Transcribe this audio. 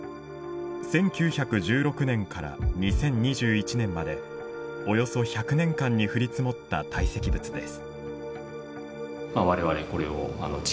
１９１６年から２０２１年までおよそ１００年間に降り積もった堆積物です。